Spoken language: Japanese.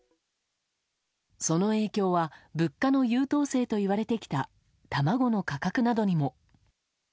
その影響は物価の優等生といわれてきた、卵の価格などにも。